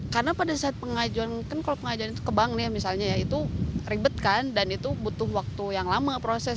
karena pada saat pengajuan kan kalau pengajuan itu ke bank ya misalnya ya itu ribet kan dan itu butuh waktu yang lama proses